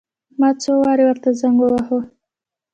ما څو وارې ورته زنګ وواهه.